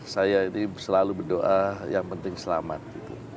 saya ini selalu berdoa yang penting selamat